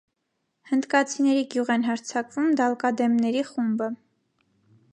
Հնդկացիների գյուղ են հարձակվում «դալկադեմների» խումբը։